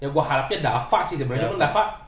ya gue harapnya dava sih sebenernya